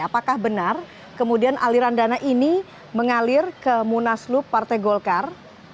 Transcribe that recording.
apakah benar kemudian aliran dana ini mengalir ke munaslup partai golkar